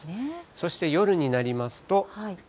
そして夜になりますと。